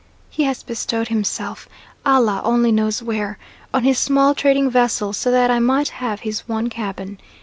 He has bestowed himself Allah only knows where on his small trading vessels so that I might have his one cabin.